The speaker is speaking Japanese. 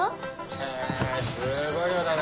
へえすごい量だな。